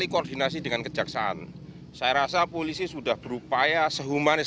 kita ikuti bersama